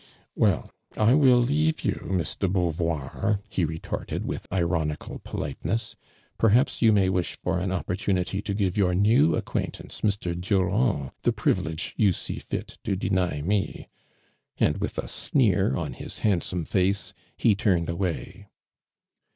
•'Well, I will leave you. Miss de, Beau voir," he retorted, with ironical politeness. •• Perhai)s you may wish for an opportunity to give your new accjuaintanc*', Mr. Durand. the privilege you see fit to deny me!" and with a sneer on liis liandsomo face, he turned away.